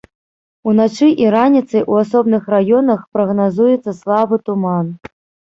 Уначы і раніцай у асобных раёнах прагназуецца слабы туман.